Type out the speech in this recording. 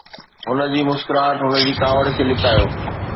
هن جي مسڪراهٽ هن جي ڪاوڙ کي لڪايو